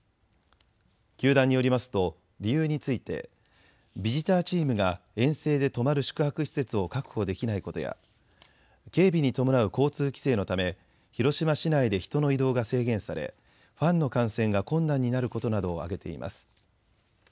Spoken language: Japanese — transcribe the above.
球団によりますと理由についてビジターチームが遠征で泊まる宿泊施設を確保できないことや警備に伴う交通規制のため広島市内で人の移動が制限されファンの観戦が困難になることなどを挙げています。